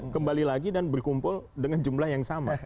kembali lagi dan berkumpul dengan jumlah yang sama